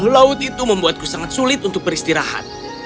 laut itu membuatku sangat sulit untuk beristirahat